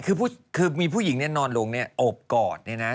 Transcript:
คือมีผู้หญิงนอนลงเนี่ยโอบกอดเนี่ยนะ